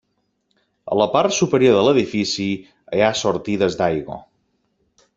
A la part superior de l'edifici, hi ha sortides d'aigua.